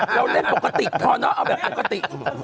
เราเล่นปกลิกเอาแบบอักกติ